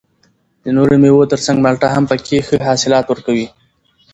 د نورو مېوو تر څنګ مالټه هم پکې ښه حاصلات ورکوي